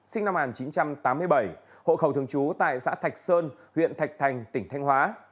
sinh năm một nghìn chín trăm tám mươi bảy hộ khẩu thường trú tại xã thạch sơn huyện thạch thành tỉnh thanh hóa